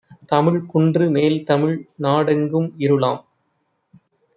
தமிழ்குன்று மேல்தமிழ் நாடெங்கும் இருளாம்